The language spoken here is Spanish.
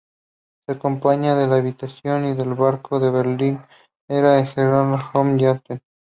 Su compañera de habitación en el barco a Berlín era Eleanor Holm Jarret.